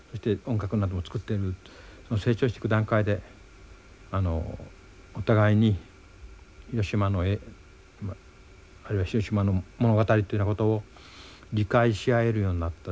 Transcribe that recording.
その成長していく段階でお互いに広島の絵あるいは広島の物語っていうようなことを理解し合えるようになったらいい。